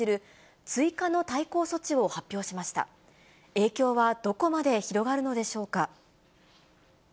影響はどこまで広がるのでしょうか。